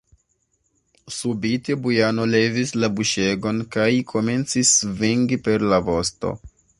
Subite Bujano levis la buŝegon kaj komencis svingi per la vosto.